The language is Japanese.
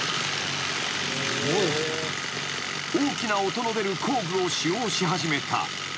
［大きな音の出る工具を使用し始めた］